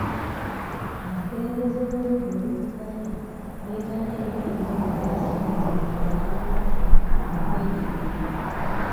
Abakulembeze ab'oludda oluvuganya beegaanye ebigambikwa nti baasenzesenze abavubuka mu kwegugunga.